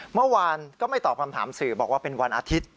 เมื่อวานก็ไม่ตอบคำถามสื่อบอกว่าเป็นวันอาทิตย์